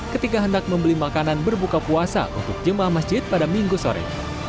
ketika hendak membeli makanan berbuka puasa untuk jemaah masjid pada minggu sore